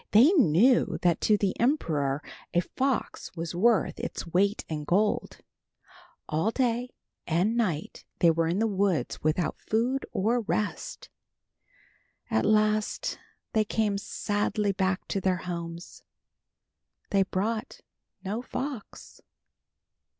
They knew that to the emperor a fox was worth its weight in gold. All day and night they were in the woods without food or rest. At last they came sadly back to their homes. They brought no fox.